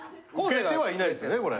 老けてはいないですよねこれ。